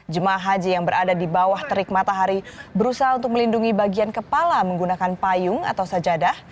jemaah haji yang berada di bawah terik matahari berusaha untuk melindungi bagian kepala menggunakan payung atau sajadah